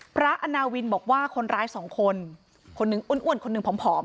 อาณาวินบอกว่าคนร้ายสองคนคนหนึ่งอ้วนคนหนึ่งผอม